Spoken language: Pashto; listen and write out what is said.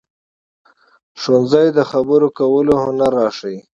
ښوونځی د خبرو کولو هنر راښيي